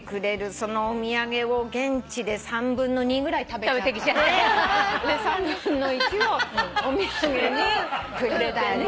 そのお土産を現地で３分の２ぐらい食べちゃって３分の１をお土産にくれたり。